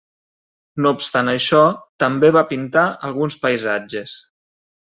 No obstant això, també va pintar alguns paisatges.